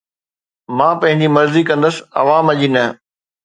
مان پنهنجي مرضي ڪندس، عوام جي نه